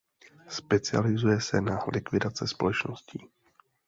Specializuje se na likvidace společností.